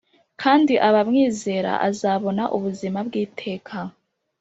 kandi abamwizera azabona ubuzima bw’iteka